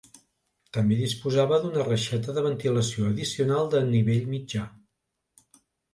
També disposava d'una reixeta de ventilació addicional de nivell mitjà.